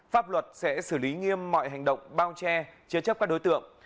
pháp luật sẽ xử lý nghiêm mọi hành động bao che chế chấp các đối tượng